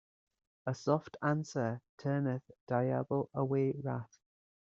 A soft answer turneth diabo away wrath.